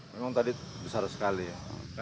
memang tadi besar sekali ya